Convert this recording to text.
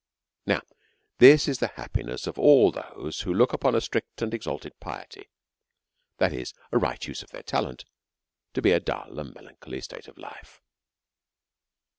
Islow this is the happiness of all those who look upon a strict and exalted piety, that is a right use of talent, to be a dull and melancholy state of life. DEVOUT AND HOLY LIFE.